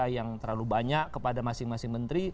yang terlalu banyak kepada masing masing menteri